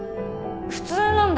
普通なんだ。